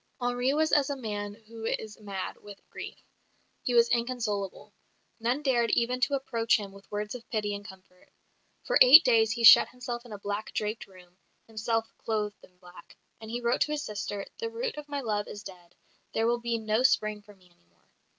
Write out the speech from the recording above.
Henri was as a man who is mad with grief; he was inconsolable.. None dared even to approach him with words of pity and comfort. For eight days he shut himself in a black draped room, himself clothed in black; and he wrote to his sister, "The root of my love is dead; there will be no Spring for me any more."